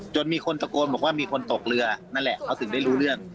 มีคนตะโกนบอกว่ามีคนตกเรือนั่นแหละเขาถึงได้รู้เรื่อง